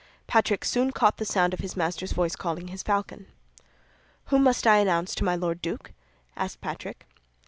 Patrick soon caught the sound of his master's voice calling his falcon. "Whom must I announce to my Lord Duke?" asked Patrick.